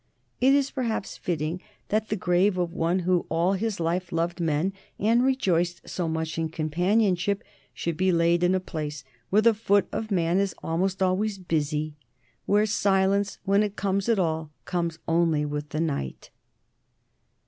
It is perhaps fitting that the grave of one who all his life loved men and rejoiced so much in companionship should be laid in a place where the foot of man is almost always busy, where silence, when it comes at all, comes only with the night.